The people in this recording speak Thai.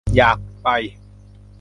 อยากไป